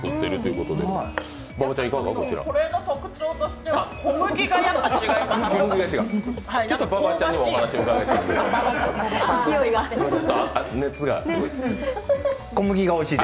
これの特徴としては小麦がやっぱ違います、香ばしい。